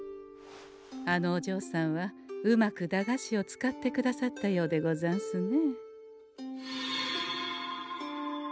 あのおじょうさんはうまく駄菓子を使ってくださったようでござんすね。